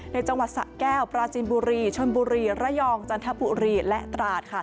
ในจังหวัดสะแก้วปราจินบุรีชนบุรีระยองจันทบุรีและตราดค่ะ